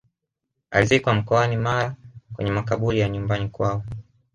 alizikwa mkoani mara kwenye makaburi ya nyumbani kwao